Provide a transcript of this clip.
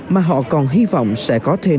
mà họ còn hy vọng sẽ có thêm